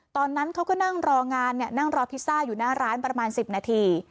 ตอนนั้นเขาก็นั่งรองานนั่งรอพิซซ่าอยู่หน้าร้านประมาณ๑๐นาที